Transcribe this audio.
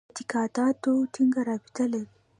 اعتقاداتو ټینګه رابطه لري.